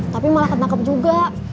tapi malah ketangkep juga